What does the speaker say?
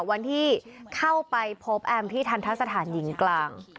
วันที่เข้าไปพบแอมที่ทันทะสถานหญิงกลาง